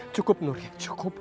cukup nur cukup